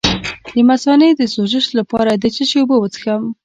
د مثانې د سوزش لپاره د څه شي اوبه وڅښم؟